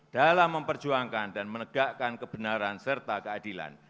dalam memperjuangkan dan menegakkan kebenaran serta keadilan